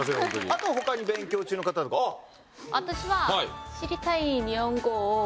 あと他に勉強中の方あっ！